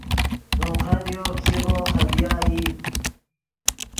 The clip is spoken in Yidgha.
ڤیم خدیو فګیغو خدیا ای